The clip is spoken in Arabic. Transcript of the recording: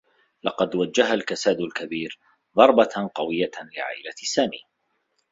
لقد وجّه الكساد الكبير ضربة قويّة لعائلة سامي.